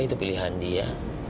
itu pilihan dia